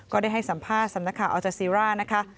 ได้ให้สัมภาษณ์สำนักข่าวอัลจาซีร่านะคะ